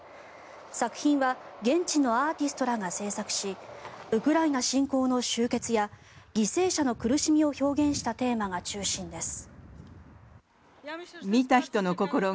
作品は現地のアーティストらが制作しウクライナ侵攻の終結や犠牲者の苦しみを表現したテーマが中心です。